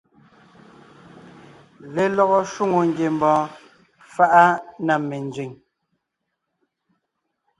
Lelɔgɔ shwòŋo ngiembɔɔn faʼa na menzẅìŋ.